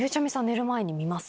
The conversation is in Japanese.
寝る前に見ます？